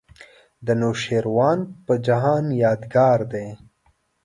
د نوشیروان په جهان یادګار دی.